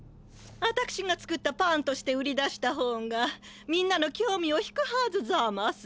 わたくしが作ったパンとして売り出した方がみんなのきょうみを引くはずざます。